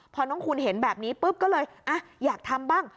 พอน้องคุณเห็นแบบนี้ปุ๊บก็เลยอยากทำบ้าง